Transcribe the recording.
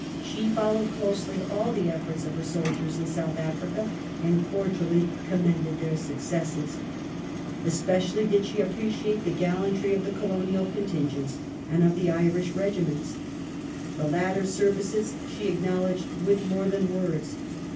She followed closely all the efforts of her soldiers in South Africa and cordially commended their successes. Especially did she appreciate the gallantry of the Colonial contingents, and of the Irish regi ments. The latter's services she acknowledged with more than words.